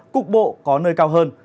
cục bộ có nơi cao hơn